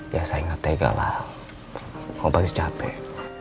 ya saya ingat tega lah mau pagi capek